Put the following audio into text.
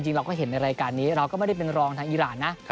จริงเราก็เห็นในรายการนี้เราก็ไม่ได้เป็นรองทางอีรานนะ